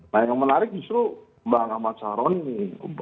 nah yang menarik justru bang ahmad saron ini